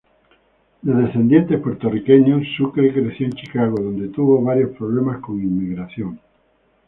De descendientes puertorriqueños, Sucre creció en Chicago, donde tuvo varios problemas con inmigración.